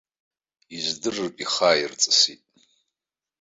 Издырыртә ихы ааирҵысит.